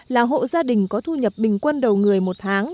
là hộ gia đình có thu nhập bình quân đầu người một tháng